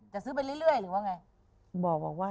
จะซื้อกันไปเรื่อยหรือยังไง